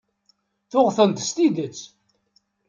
Tuɣeḍ-tent s tidet.